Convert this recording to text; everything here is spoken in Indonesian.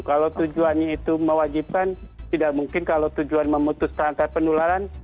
kalau tujuannya itu mewajibkan tidak mungkin kalau tujuan memutus rantai penularan